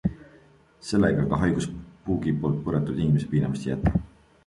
Sellega aga haigus puugi poolt puretud inimese piinamist ei jäta.